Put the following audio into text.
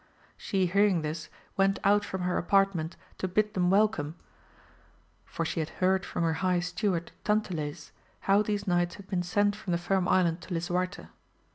She hearing this went out from her apartment to bid them welcome, for she had heard from her high steward Tantiles, how these knights had been sent from the Firm Island to lisuarte.